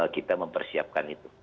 kita mempersiapkan itu